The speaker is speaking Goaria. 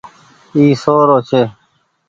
اي سو رو ڇي۔